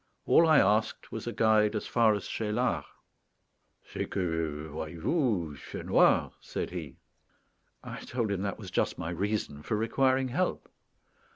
All I asked was a guide as far as Cheylard. "C'est que, voyez vous, il fait noir," said he. I told him that was just my reason for requiring help.